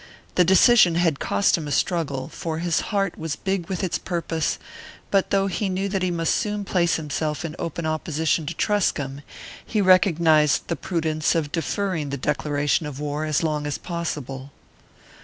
The decision had cost him a struggle, for his heart was big with its purpose; but though he knew that he must soon place himself in open opposition to Truscomb, he recognized the prudence of deferring the declaration of war as long as possible.